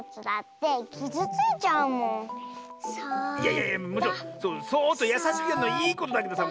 いやいやそっとやさしくやるのはいいことだけどさ